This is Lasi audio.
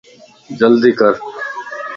جلدي ڪر